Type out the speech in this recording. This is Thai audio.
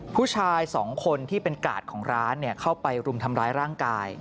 ผู้ชายสองคนที่เป็นกาดของร้านเข้าไปรุมทำร้ายร่างกาย